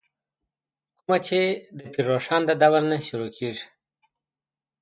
کومه چې دَپير روښان ددورنه شروع کيږې